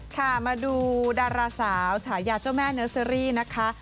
ค่ะมาดูดาราสาวฉายาเจ้าแม่เนอร์เซอรี่นะคะ